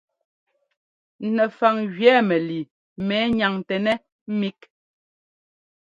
Nɛfaŋ gẅɛɛ mɛlii mɛ nyaŋtɛnɛ́ mík.